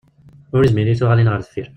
Ur yezmir i tuɣalin ɣer deffir.